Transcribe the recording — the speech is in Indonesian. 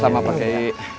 sama sama pak kiai